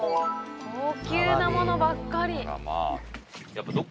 高級なものばっかり。